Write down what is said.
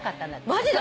マジで！？